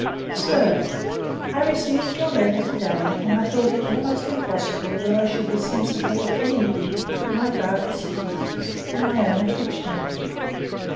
SIR, I received your letter to day, when I thought it almost impossible that I should be sensible of anything but my father's sickness and my own affliction in it.